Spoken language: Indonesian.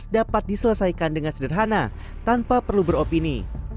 dapat diselesaikan dengan sederhana tanpa perlu beropini